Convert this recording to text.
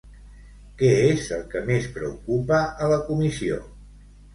Què és el que més preocupa a la Comissió?